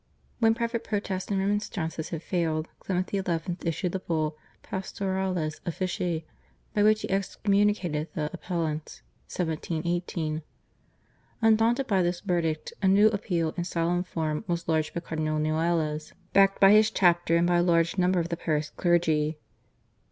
When private protests and remonstrances had failed Clement XI. issued the Bull, /Pastoralis Officii/, by which he excommunicated the /Appellants/ (1718). Undaunted by this verdict a new appeal in solemn form was lodged by Cardinal Noailles, backed by his chapter and by a large number of the Paris clergy.